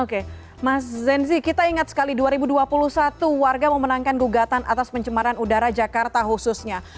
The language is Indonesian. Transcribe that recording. oke mas zenzi kita ingat sekali dua ribu dua puluh satu warga memenangkan gugatan atas pencemaran udara jakarta khususnya